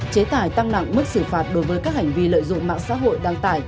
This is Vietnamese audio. chế tài tăng nặng mức xử phạt đối với các hành vi lợi dụng mạng xã hội đăng tải